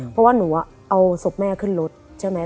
เพราะว่าหนูเอาศพแม่ขึ้นรถใช่ไหม